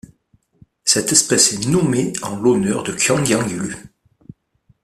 Cette espèce est nommée en l'honneur de Kuang-yang Lue.